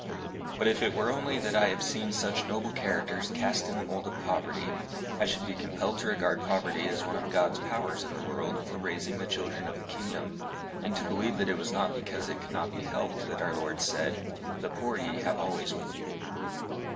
But if it were only that I have seen such noble characters cast in the mould of poverty, I should be compelled to regard poverty as one of God's powers in the world for raising the children of the kingdom, and to believe that it was not because it could not be helped that our Lord said, 'The poor ye have always with you.